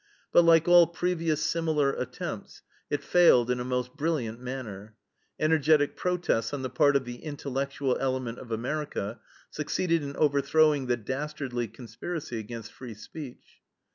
But like all previous similar attempts, it failed in a most brilliant manner. Energetic protests on the part of the intellectual element of America succeeded in overthrowing the dastardly conspiracy against free speech.